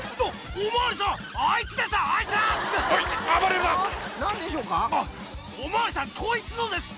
お巡りさんこいつのですって！